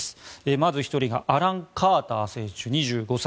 まず１人がアラン・カーター選手、２５歳。